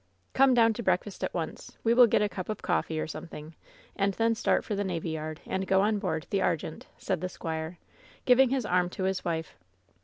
"Come down to breakfast at once. We will get a cup of coffee or something, and then start for the navy yard and go on board the Argente/^ said the squire, giving his arm to his wife.